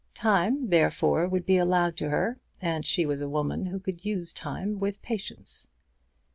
Time, therefore, would be allowed to her, and she was a woman who could use time with patience.